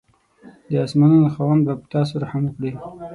د اسمانانو خاوند به په تاسو رحم وکړي.